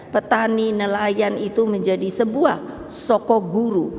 petani nelayan itu menjadi sebuah soko guru